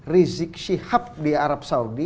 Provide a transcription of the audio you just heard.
rizik shihab di arab saudi